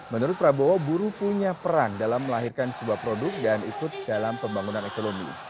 menurut prabowo buruh punya peran dalam melahirkan sebuah produk dan ikut dalam pembangunan ekonomi